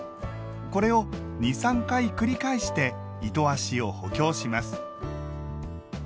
これを２３回繰り返して糸足を補強します。